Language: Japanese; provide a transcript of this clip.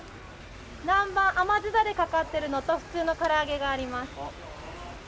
甘酢だれかかってるのと普通のからあげがあります。